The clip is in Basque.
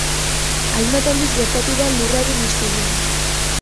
Hainbat aldiz gertatu da Lurraren historian.